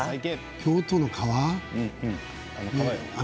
京都の川？